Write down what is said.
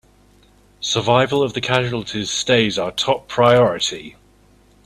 Survival of the casualties stays our top priority!